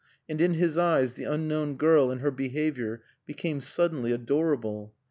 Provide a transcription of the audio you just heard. And in his eyes the unknown girl and her behavior became suddenly adorable.